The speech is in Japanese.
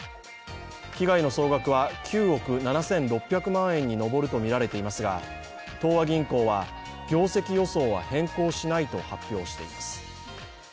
被害の総額は９億７６００万円に上るとみられていますが東和銀行は、業績予想は変更しないと発表しています。